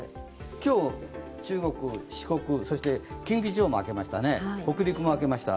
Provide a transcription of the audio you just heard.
今日、中国、四国、そして近畿地方北陸も明けました。